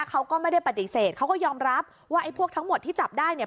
เขาก็ไม่ได้ปฏิเสธเขาก็ยอมรับว่าไอ้พวกทั้งหมดที่จับได้เนี่ย